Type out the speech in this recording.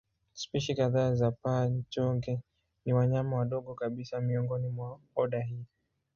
Spishi kadhaa za paa-chonge ni wanyama wadogo kabisa miongoni mwa oda hii.